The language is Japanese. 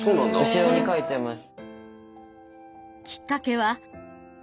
後ろに書いてます。